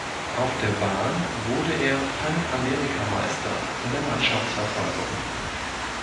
Auf der Bahn wurde er Panamerikameister in der Mannschaftsverfolgung.